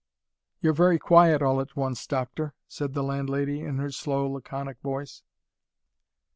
"You're very quiet all at once, Doctor," said the landlady in her slow, laconic voice.